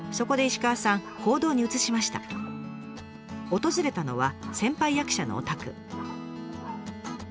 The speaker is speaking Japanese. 訪れたのは先輩役者のお宅。